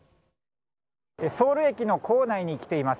ソウル駅の構内に来ています。